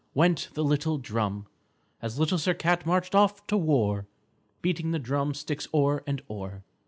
Went the little drum, As Little Sir Cat marched off to war Beating the drum sticks o'er and o'er.